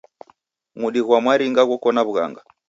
Mudi gha mwaringa ghoko na w'ughanga.